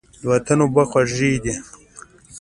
د وطن اوبه خوږې دي.